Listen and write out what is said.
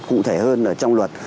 cụ thể hơn ở trong luật